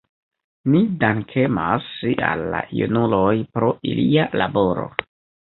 Ni dankemas al la junuloj pro ilia laboro.